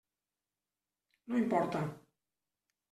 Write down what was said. No importa.